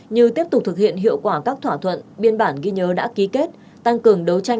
như tiếp tục thực hiện hiệu quả các thỏa thuận biên bản ghi nhớ đã ký kết tăng cường đấu tranh